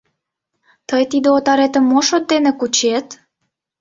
Тый тиде отарым мо шот дене кучет?